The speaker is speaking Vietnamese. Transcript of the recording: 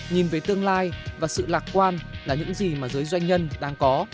nhìn về tương lai và sự lạc quan là những gì mà giới doanh nhân đang có